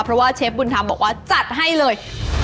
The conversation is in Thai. เพราะว่าเชฟบุญธรรมบอกว่าจัดให้เลย